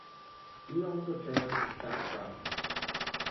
He also chairs Statkraft.